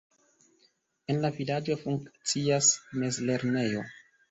En la vilaĝo funkcias mezlernejo.